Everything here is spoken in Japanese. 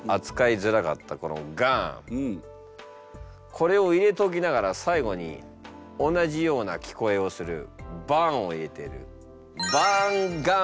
これを入れておきながら最後に同じような聞こえをする「バーン」を入れてる。